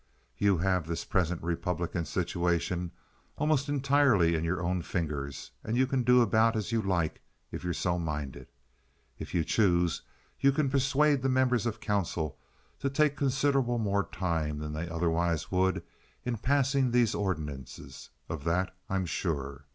You have this present Republican situation almost entirely in your own fingers, and you can do about as you like if you're so minded. If you choose you can persuade the members of council to take considerable more time than they otherwise would in passing these ordinances—of that I'm sure.